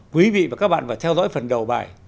quý vị và các bạn phải theo dõi phần đầu bài